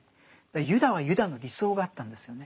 ユダはユダの理想があったんですよね。